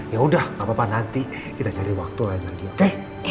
yaudah gapapa nanti kita cari waktu aja oke